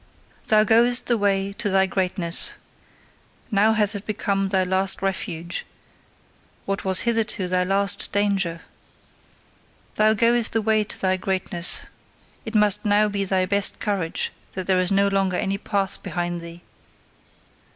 Thou goest the way to thy greatness: now hath it become thy last refuge, what was hitherto thy last danger! Thou goest the way to thy greatness: it must now be thy best courage that there is no longer any path behind thee!